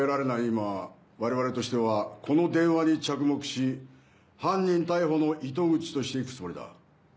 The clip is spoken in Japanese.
今我々としてはこの電話に着目し犯人逮捕の糸口としていくつもりだ。